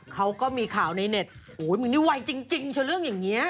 เขาก็มีข่าวในเน็ตโอ้ยมึงนี่ไวจริงเชอเรื่องอย่างนี้